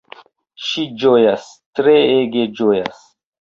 Ŝi ĝojas, treege ĝojas.